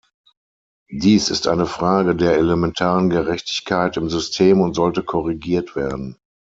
Dies ist eine Frage der elementaren Gerechtigkeit im System und sollte korrigiert werden.